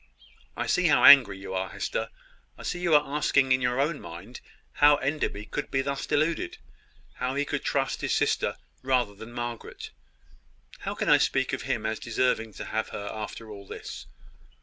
I see how angry you are, Hester. I see you asking in your own mind how Enderby could be thus deluded how he could trust his sister rather than Margaret how I can speak of him as deserving to have her after all this.